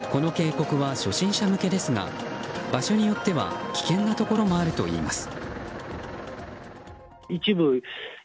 撮影した人によるとこの渓谷は初心者向けですが場所によっては危険なところもあるといいます。